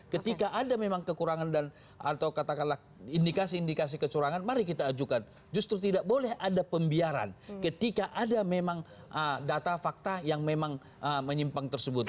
ketika ada memang kekurangan atau katakanlah indikasi indikasi kecurangan mari kita ajukan justru tidak boleh ada pembiaran ketika ada memang data fakta yang memang menyimpang tersebut